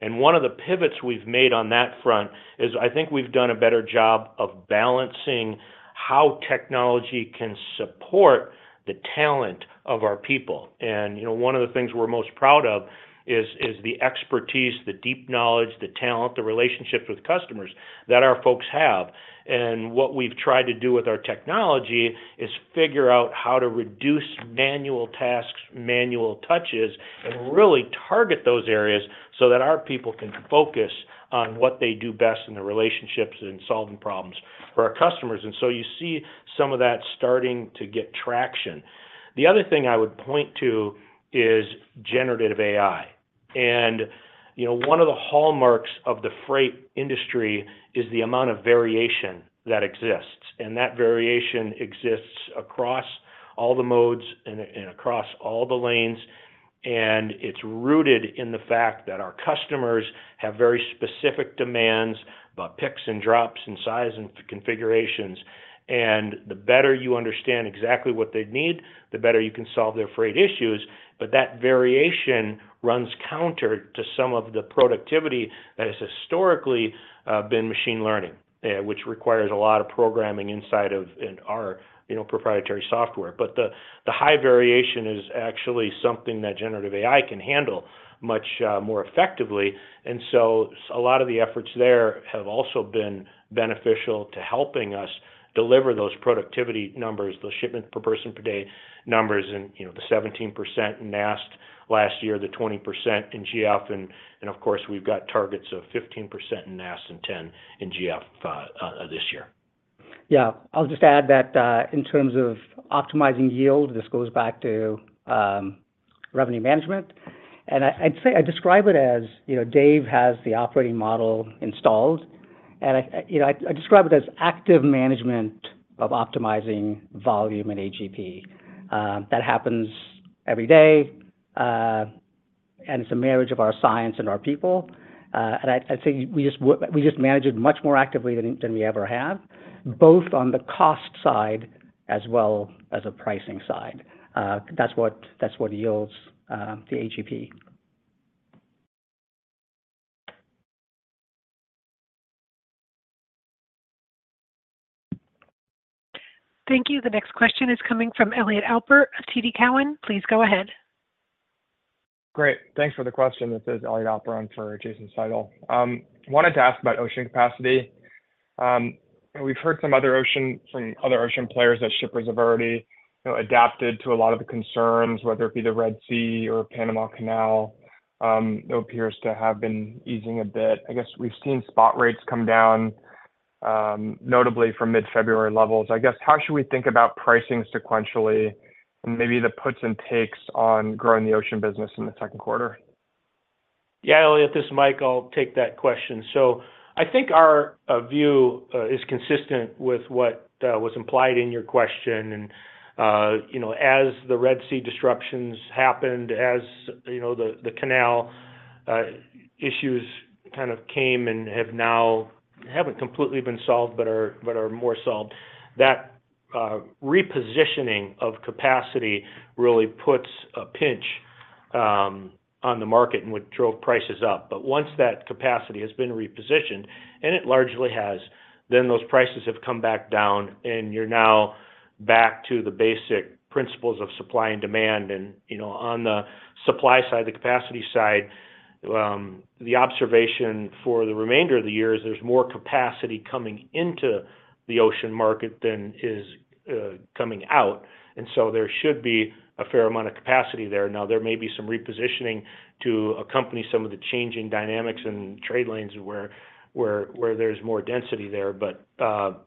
Speaker 3: And one of the pivots we've made on that front is I think we've done a better job of balancing how technology can support the talent of our people. And one of the things we're most proud of is the expertise, the deep knowledge, the talent, the relationships with customers that our folks have. What we've tried to do with our technology is figure out how to reduce manual tasks, manual touches, and really target those areas so that our people can focus on what they do best in the relationships and solving problems for our customers. So you see some of that starting to get traction. The other thing I would point to is generative AI. One of the hallmarks of the freight industry is the amount of variation that exists. That variation exists across all the modes and across all the lanes. It's rooted in the fact that our customers have very specific demands about picks and drops and size and configurations. The better you understand exactly what they need, the better you can solve their freight issues. But that variation runs counter to some of the productivity that has historically been machine learning, which requires a lot of programming inside of our proprietary software. But the high variation is actually something that generative AI can handle much more effectively. And so a lot of the efforts there have also been beneficial to helping us deliver those productivity numbers, those shipments per person per day numbers, and the 17% in NAST last year, the 20% in GF. And of course, we've got targets of 15% in NAST and 10% in GF this year.
Speaker 5: Yeah. I'll just add that in terms of optimizing yield, this goes back to revenue management. I'd say I describe it as Dave has the operating model installed. I describe it as active management of optimizing volume and AGP. That happens every day. It's a marriage of our science and our people. I'd say we just manage it much more actively than we ever have, both on the cost side as well as a pricing side. That's what yields the AGP.
Speaker 1: Thank you. The next question is coming from Elliot Alper of TD Cowen. Please go ahead.
Speaker 10: Great. Thanks for the question. This is Elliot Alper for Jason Seidl. I wanted to ask about ocean capacity. We've heard from other ocean players that shippers have already adapted to a lot of the concerns, whether it be the Red Sea or Panama Canal. It appears to have been easing a bit. I guess we've seen spot rates come down, notably from mid-February levels. I guess how should we think about pricing sequentially and maybe the puts and takes on growing the ocean business in the second quarter?
Speaker 5: Yeah, Elliot, this is Michael. I'll take that question. So I think our view is consistent with what was implied in your question. And as the Red Sea disruptions happened, as the canal issues kind of came and haven't completely been solved but are more solved, that repositioning of capacity really puts a pinch on the market and would drove prices up. But once that capacity has been repositioned, and it largely has, then those prices have come back down. And you're now back to the basic principles of supply and demand. And on the supply side, the capacity side, the observation for the remainder of the year is there's more capacity coming into the ocean market than is coming out. And so there should be a fair amount of capacity there. Now, there may be some repositioning to accompany some of the changing dynamics and trade lanes where there's more density there, but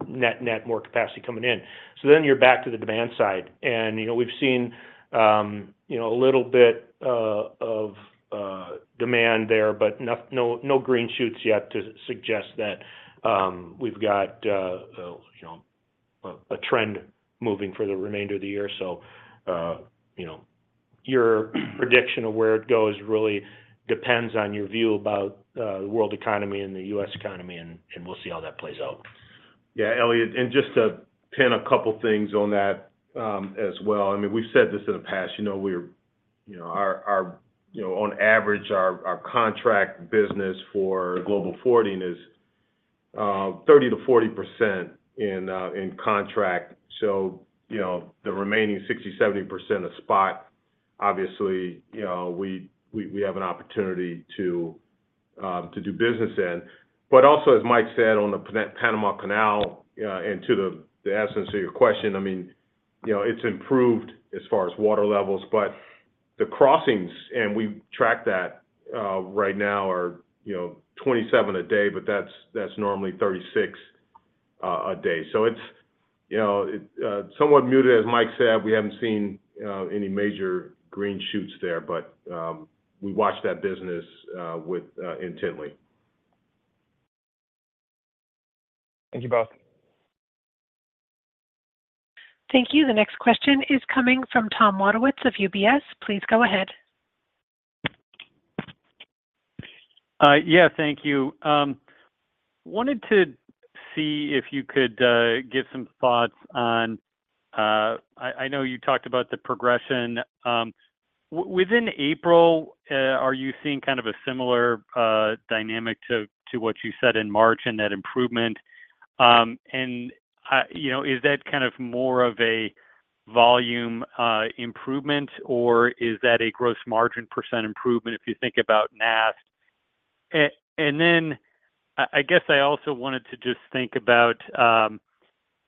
Speaker 5: net more capacity coming in. So then you're back to the demand side. We've seen a little bit of demand there, but no green shoots yet to suggest that we've got a trend moving for the remainder of the year. So your prediction of where it goes really depends on your view about the world economy and the U.S. economy. We'll see how that plays out.
Speaker 3: Yeah, Elliot, and just to pin a couple of things on that as well. I mean, we've said this in the past. We're, on average, our contract business for Global Forwarding is 30%-40% in contract. So the remaining 60%-70% of spot, obviously, we have an opportunity to do business in. But also, as Mike said, on the Panama Canal and to the essence of your question, I mean, it's improved as far as water levels. But the crossings, and we track that right now, are 27 a day, but that's normally 36 a day. So it's somewhat muted. As Mike said, we haven't seen any major green shoots there, but we watch that business intently.
Speaker 10: Thank you both.
Speaker 1: Thank you. The next question is coming from Tom Wadewitz of UBS. Please go ahead.
Speaker 11: Yeah, thank you. Wanted to see if you could give some thoughts on. I know you talked about the progression. Within April, are you seeing kind of a similar dynamic to what you said in March and that improvement? And is that kind of more of a volume improvement, or is that a gross margin percent improvement if you think about NAST? And then I guess I also wanted to just think about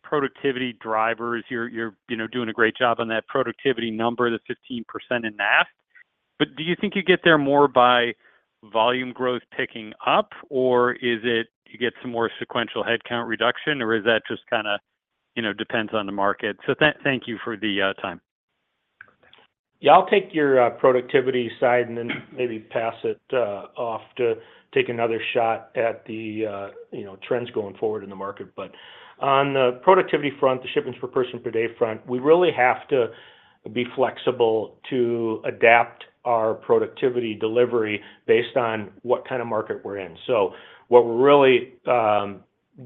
Speaker 11: productivity drivers. You're doing a great job on that productivity number, the 15% in NAST. But do you think you get there more by volume growth picking up, or you get some more sequential headcount reduction, or is that just kind of depends on the market? So thank you for the time.
Speaker 3: Yeah, I'll take your productivity side and then maybe pass it off to take another shot at the trends going forward in the market. But on the productivity front, the shipments per person per day front, we really have to be flexible to adapt our productivity delivery based on what kind of market we're in. So what we're really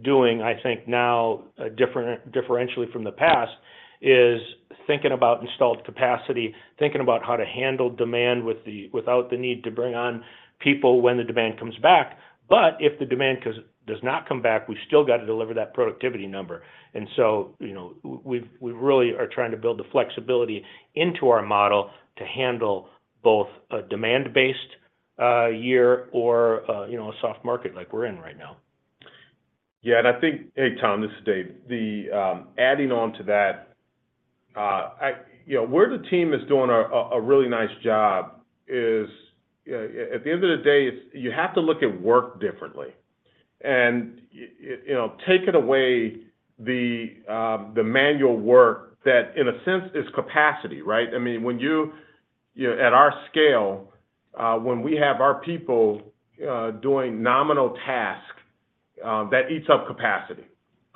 Speaker 3: doing, I think now, differentially from the past, is thinking about installed capacity, thinking about how to handle demand without the need to bring on people when the demand comes back. But if the demand does not come back, we've still got to deliver that productivity number. And so we really are trying to build the flexibility into our model to handle both a demand-based year or a soft market like we're in right now. Yeah. And I think, hey, Tom, this is Dave. Adding on to that, where the team is doing a really nice job is, at the end of the day, you have to look at work differently. And take it away, the manual work that, in a sense, is capacity, right? I mean, at our scale, when we have our people doing menial task, that eats up capacity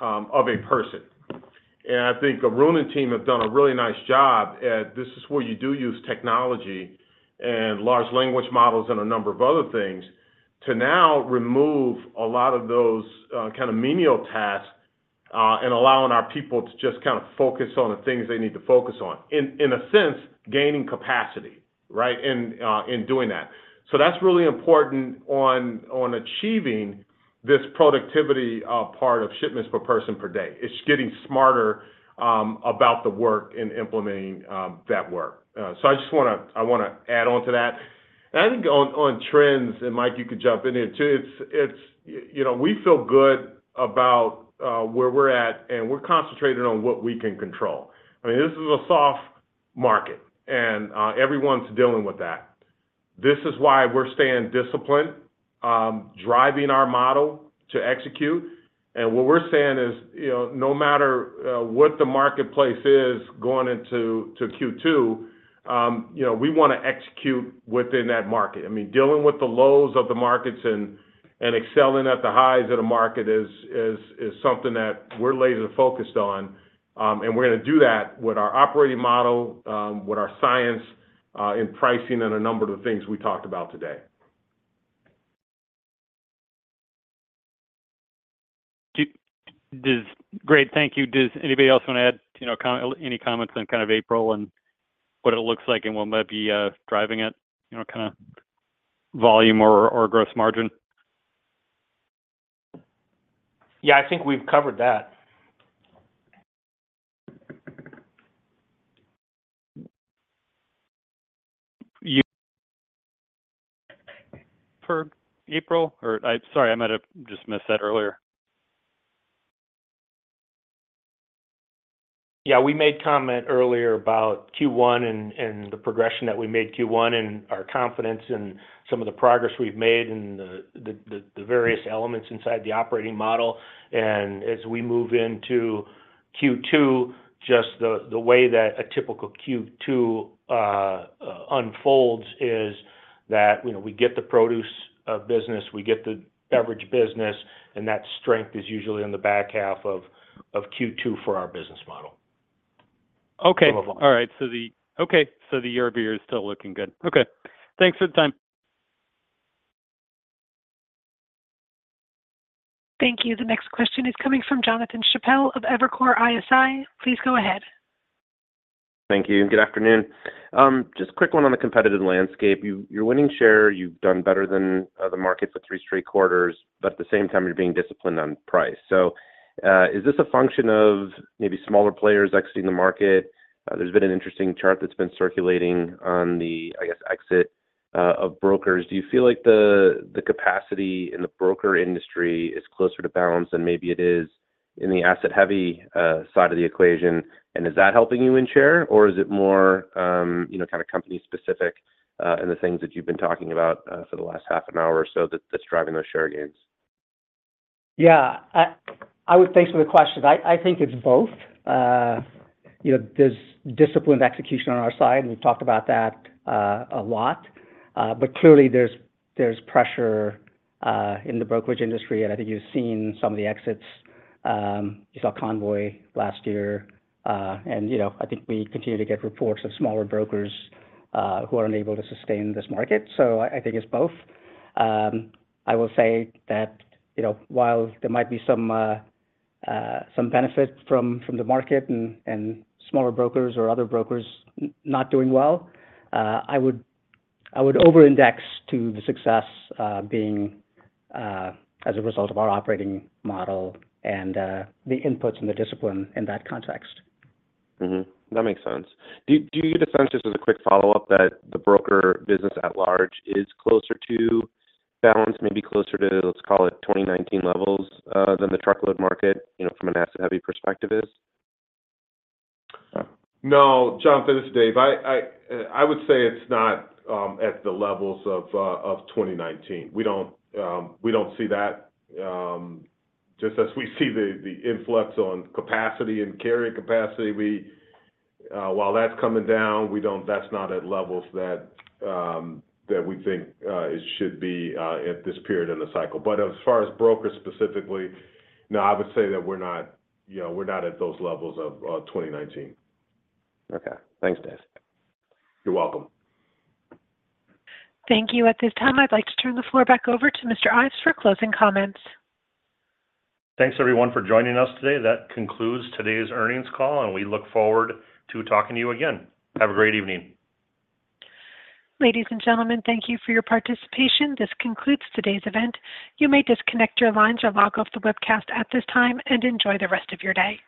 Speaker 3: of a person. And I think the Arun team have done a really nice job at this is where you do use technology and large language models and a number of other things to now remove a lot of those kind of menial tasks and allowing our people to just kind of focus on the things they need to focus on, in a sense, gaining capacity, right, in doing that. So that's really important on achieving this productivity part of shipments per person per day. It's getting smarter about the work and implementing that work. So I just want to add on to that. And I think on trends, and Mike, you could jump in here too, we feel good about where we're at, and we're concentrated on what we can control. I mean, this is a soft market, and everyone's dealing with that. This is why we're staying disciplined, driving our model to execute. And what we're saying is, no matter what the marketplace is going into Q2, we want to execute within that market. I mean, dealing with the lows of the markets and excelling at the highs of the market is something that we're laser-focused on. We're going to do that with our operating model, with our science in pricing, and a number of the things we talked about today.
Speaker 11: Great. Thank you. Does anybody else want to add any comments on kind of April and what it looks like and what might be driving it, kind of volume or gross margin?
Speaker 5: Yeah, I think we've covered that.
Speaker 11: You heard April? Sorry, I might have just missed that earlier.
Speaker 5: Yeah, we made comment earlier about Q1 and the progression that we made Q1 and our confidence in some of the progress we've made and the various elements inside the operating model. As we move into Q2, just the way that a typical Q2 unfolds is that we get the produce business, we get the average business, and that strength is usually in the back half of Q2 for our business model.
Speaker 11: Okay. All right. Okay. The year-over-year is still looking good. Okay. Thanks for the time.
Speaker 1: Thank you. The next question is coming from Jonathan Chappell of Evercore ISI. Please go ahead.
Speaker 12: Thank you. Good afternoon. Just a quick one on the competitive landscape. You're winning share. You've done better than the market for three straight quarters, but at the same time, you're being disciplined on price. So is this a function of maybe smaller players exiting the market? There's been an interesting chart that's been circulating on the, I guess, exit of brokers. Do you feel like the capacity in the broker industry is closer to balance than maybe it is in the asset-heavy side of the equation? And is that helping you in share, or is it more kind of company-specific in the things that you've been talking about for the last half an hour or so that's driving those share gains?
Speaker 5: Yeah. Thanks for the question. I think it's both. There's disciplined execution on our side. We've talked about that a lot. But clearly, there's pressure in the brokerage industry. And I think you've seen some of the exits. You saw Convoy last year. And I think we continue to get reports of smaller brokers who are unable to sustain this market. So I think it's both. I will say that while there might be some benefit from the market and smaller brokers or other brokers not doing well, I would over-index to the success being as a result of our operating model and the inputs and the discipline in that context.
Speaker 12: That makes sense. Do you get a sense, just as a quick follow-up, that the broker business at large is closer to balance, maybe closer to, let's call it, 2019 levels than the truckload market from an asset-heavy perspective is?
Speaker 3: No, Jonathan, this is Dave. I would say it's not at the levels of 2019. We don't see that. Just as we see the influx on capacity and carrying capacity, while that's coming down, that's not at levels that we think it should be at this period in the cycle. But as far as brokers specifically, no, I would say that we're not at those levels of 2019.
Speaker 12: Okay. Thanks, Dave.
Speaker 3: You're welcome.
Speaker 1: Thank you. At this time, I'd like to turn the floor back over to Mr. Ives for closing comments.
Speaker 2: Thanks, everyone, for joining us today. That concludes today's earnings call, and we look forward to talking to you again. Have a great evening.
Speaker 1: Ladies and gentlemen, thank you for your participation. This concludes today's event. You may disconnect your lines or log off the webcast at this time and enjoy the rest of your day.